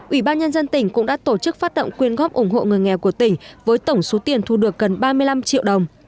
ủy ban nhân dân tỉnh cũng đã tổ chức phát động quyên góp ủng hộ người nghèo của tỉnh với tổng số tiền thu được gần ba mươi năm triệu đồng